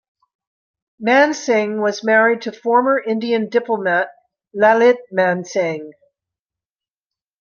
Mansingh was married to former Indian diplomat Lalit Mansingh.